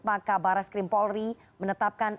maka baras krimpolri menetapkan